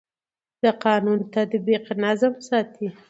د قانون تطبیق نظم ساتي